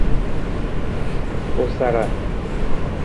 U sara.